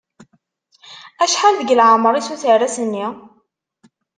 Acḥal deg leɛmer-is uterras-nni?